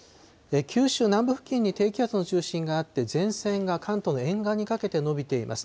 九州南部付近に低気圧の中心があって、前線が関東の沿岸にかけて延びています。